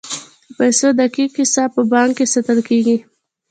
د پیسو دقیق حساب په بانک کې ساتل کیږي.